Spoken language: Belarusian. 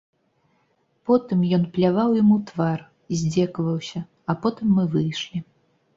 Потым ён пляваў ім у твар, здзекаваўся, а потым мы выйшлі.